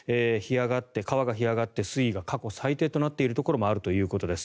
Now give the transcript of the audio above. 川が干上がって水位が過去最低となっているところもあるということです。